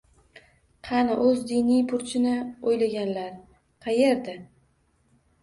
Qani, o'z diniy burchini o'ylaganlar?! Qaerda?!!